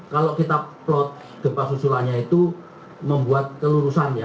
kalau kita plot gempa susulannya itu membuat kelurusan